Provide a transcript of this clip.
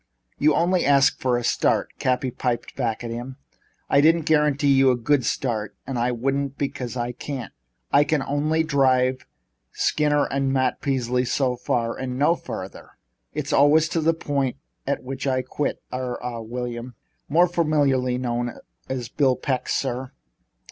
"You only asked for a start," Cappy piped back at him. "I didn't guarantee you a good start, and I wouldn't because I can't. I can only drive Skinner and Matt Peasley so far and no farther. There's always a point at which I quit er ah William." "More familiarly known as Bill Peck, sir."